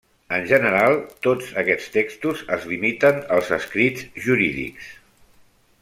En general, tots aquests textos es limiten als escrits jurídics.